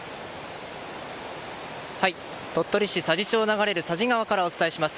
鳥取市佐治町を流れる佐治川からお伝えします。